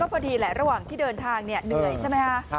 พอดีแหละระหว่างที่เดินทางเหนื่อยใช่ไหมคะ